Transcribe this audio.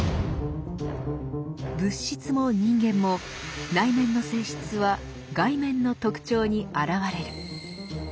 物質も人間も内面の性質は外面の特徴に現れる。